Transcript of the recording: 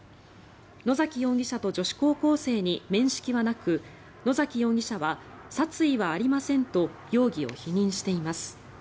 野嵜容疑者と女子高校生に面識はなく野嵜容疑者は殺意はありませんと容疑を否認しています。